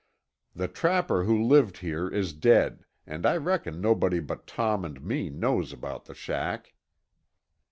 The trapper who lived here is dead and I reckon nobody but Tom and me knows about the shack."